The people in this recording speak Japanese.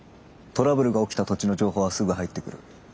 トラブルが起きた土地の情報はすぐ入ってくる。